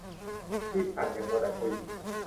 รีบสั่ง อย่ามัวแต่คุย